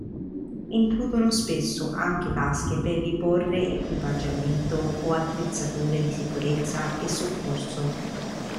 Includono spesso anche tasche per riporre equipaggiamento o attrezzature di sicurezza e soccorso.